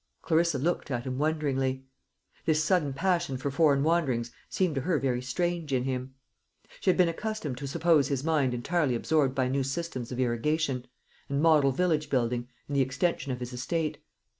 Clarissa looked at him wonderingly. This sudden passion for foreign wanderings seemed to her very strange in him. She had been accustomed to suppose his mind entirely absorbed by new systems of irrigation, and model village building, and the extension of his estate.